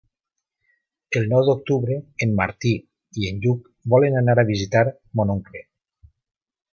El nou d'octubre en Martí i en Lluc volen anar a visitar mon oncle.